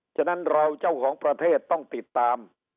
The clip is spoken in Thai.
ฉะนั้นเราเจ้าของประเทศต้องติดตาม